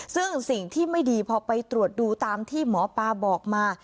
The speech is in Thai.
ซึ่งสิ่งที่ไม่ดีพอไปตรวจดูตามที่หมอปลาบอกมา